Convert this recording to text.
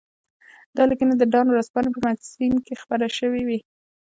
دا لیکنې د ډان ورځپاڼې په مګزین کې خپرې شوې وې.